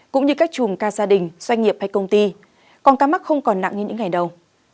cũng như các chùm ca gia đình doanh nghiệp hay công ty còn ca mắc không còn nặng như những ngày đầu